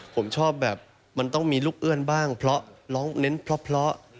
ผมชอบแบบมันต้องมีลูกเอื้อนบ้างเพราะร้องเน้นเพราะ